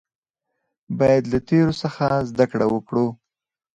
باید له تیرو څخه زده کړه وکړو